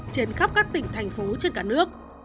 trên khắp các tỉnh thành phố trên cả nước